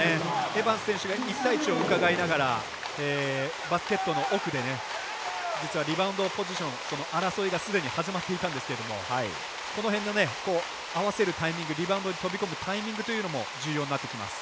エバンス選手が１対１をうかがいながらバスケットの奥で実はリバウンドポジション争いがすでに始まっていたんですけれどこの辺の合わせるタイミングリバウンドに飛び込むタイミング重要になってきます。